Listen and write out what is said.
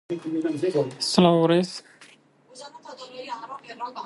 حەیفە دڵی فەقیرێکی وا بشکێنی